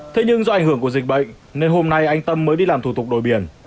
thế nhưng do ảnh hưởng của dịch bệnh nên hôm nay anh tâm mới đi làm thủ tục đổi biển